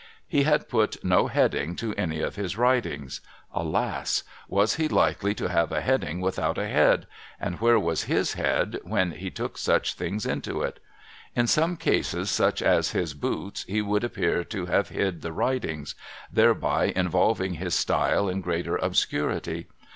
He had put no Heading to any of his writings. Alas ! "Was he likely to have a Heading without a Head, and where was /lis Head when he took such things into it? In some cases, such as his Boots, he would appear to have hid the writings ; thereby involving his style in greater obscurity.